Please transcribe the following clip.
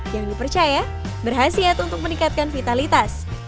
yang dipercaya berhasil untuk meningkatkan vitalitas